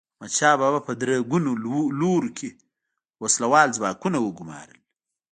احمدشاه بابا په درې ګونو لورو کې وسله وال ځواکونه وګمارل.